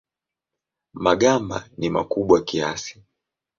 Magamba ni makubwa kiasi.